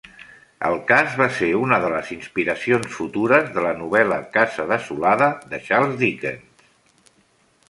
El cas va ser una de les inspiracions futures de la novel·la Casa desolada de Charles Dickens.